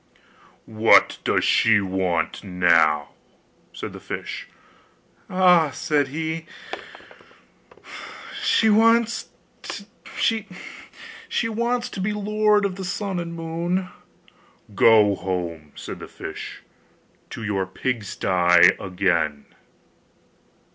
'What does she want now?' said the fish. 'Ah!' said he, 'she wants to be lord of the sun and moon.' 'Go home,' said the fish, 'to your pigsty again.